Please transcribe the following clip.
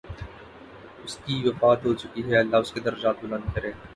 اس کی وفات ہو چکی ہے، اللہ اس کے درجات بلند کرے۔